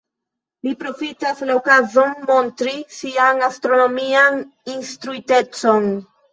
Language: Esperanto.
Li profitas la okazon montri sian astronomian instruitecon.